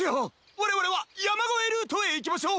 われわれはやまごえルートへいきましょう！